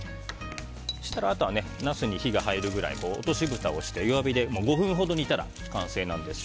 あとはナスに火が入るぐらい落としぶたをして弱火で５分ほど煮たら完成です。